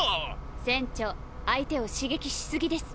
船長相手を刺激しすぎです。